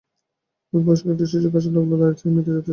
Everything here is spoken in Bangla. অল্পবয়স্ক একটি শিশুর কাছে নগ্ন নারীদেহ এমনিতেই যথেষ্ট অস্বাভাবিক।